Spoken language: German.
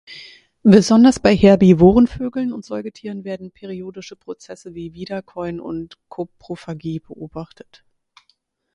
Besonders bei herbivoren Vögeln und Säugetieren werden periodische Prozesse wie Wiederkäuen und Koprophagie beobachtet.